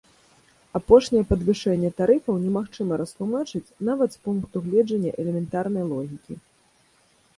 Апошняе падвышэнне тарыфаў немагчыма растлумачыць нават з пункту гледжання элементарнай логікі.